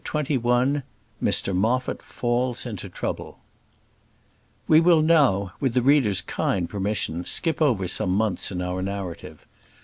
CHAPTER XXI Mr Moffat Falls into Trouble We will now, with the reader's kind permission, skip over some months in our narrative.